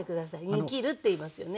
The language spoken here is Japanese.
煮きるっていいますよね。